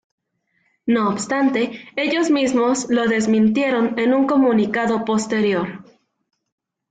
No obstante, ellos mismos lo desmintieron en un comunicado posterior.